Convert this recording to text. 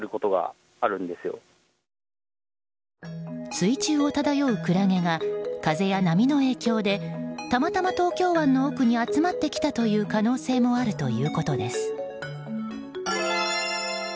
水中を漂うクラゲが風や波の影響でたまたま東京湾の奥に集まってきたという可能性もあるということです。